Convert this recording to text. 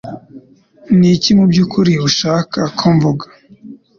Niki mubyukuri ushaka ko mvuga?